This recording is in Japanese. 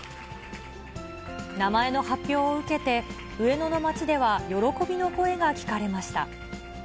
名前の発表を受けて、上野の街では喜びの声が聞かれました。